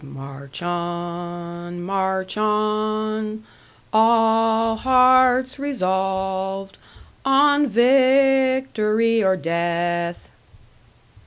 March on, march on, all hearts resolved On victory or death!"